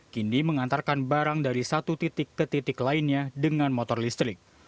kini mengantarkan barang dari satu titik ke titik lainnya dengan motor listrik